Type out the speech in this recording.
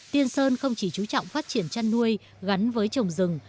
tiên sơn không chỉ chú trọng phát triển chăn nuôi gắn với trồng rừng